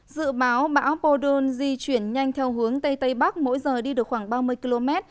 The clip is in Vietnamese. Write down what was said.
dự báo bão podol di chuyển nhanh theo hướng tây tây bắc mỗi giờ đi được khoảng ba mươi km